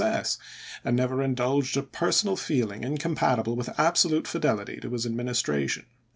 cess, and never indulged a personal feeling incom schuckers, patible with absolute fidelity to his Administration."